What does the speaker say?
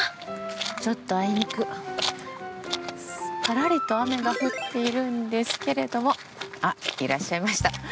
ちょっとあいにくぱらりと雨が降っているんですけれども、いらっしゃいました。